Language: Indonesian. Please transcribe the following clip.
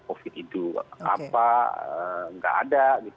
covid itu apa nggak ada